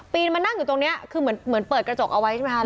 มานั่งอยู่ตรงนี้คือเหมือนเปิดกระจกเอาไว้ใช่ไหมคะ